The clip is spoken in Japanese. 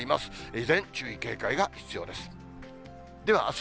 依然、注意、警戒が必要です。